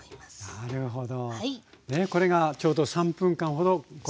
なるほど。